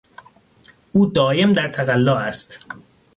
او دایم در تقلا است.